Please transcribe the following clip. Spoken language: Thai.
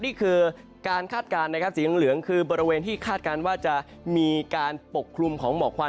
นี่คือการคาดการณ์นะครับสีเหลืองคือบริเวณที่คาดการณ์ว่าจะมีการปกคลุมของหมอกควัน